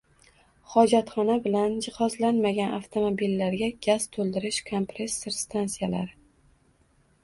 xojatxona bilan jihozlanmagan avtomobillarga gaz to‘ldirish kompressor stansiyalari